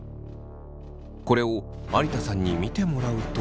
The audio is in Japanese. これを有田さんに見てもらうと。